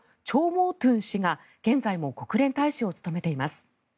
モー・トゥン氏が現在も国連大使を務めています。